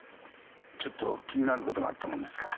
ちょっと気になることがあったものですから。